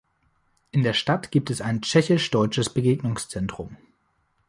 In der Stadt gibt es ein tschechisch-deutsches Begegnungszentrum.